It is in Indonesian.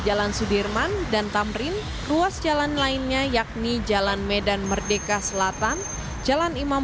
jalan sudirman dan tamrin ruas jalan lainnya yakni jalan medan merdeka selatan jalan imam